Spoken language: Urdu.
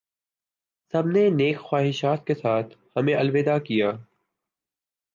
سب نے نیک خواہشات کے ساتھ ہمیں الوداع کیا